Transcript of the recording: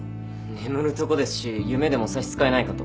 眠るとこですし「夢」でも差し支えないかと。